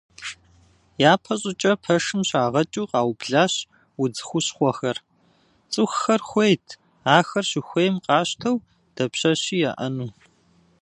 Япэ щӏыкӏэ пэшым щагъэкӏыу къаублащ удз хущхъуэхэр, цӏыхухэр хуейт ахэр щыхуейм къащтэу дапщэщи яӏэну.